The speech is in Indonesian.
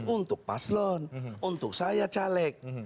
untuk paslon untuk saya caleg